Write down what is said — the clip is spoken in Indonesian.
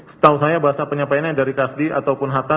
setahu saya bahasa penyampaiannya dari kasdi ataupun hatta